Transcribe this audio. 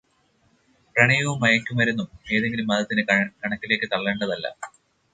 പ്രണയവും മയക്കുമരുന്നുമൊന്നും ഏതെങ്കിലും മതത്തിന്റെ കണക്കിലേക്ക് തള്ളേണ്ടതല്ല.